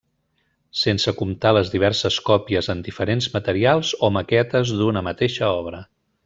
Sense comptar les diverses còpies en diferents materials o maquetes d'una mateixa obra.